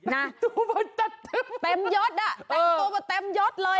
น่าแต่งตัวมาแต่งยดเลย